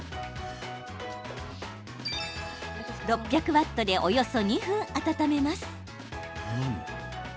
６００ワットでおよそ２分温めます。